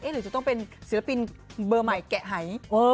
หรือจะต้องเป็นศิลปินเบอร์ใหม่แกะหาย